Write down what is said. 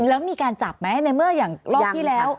แล้วมีการจับไหมในเมื่ออย่างรอบที่แล้ว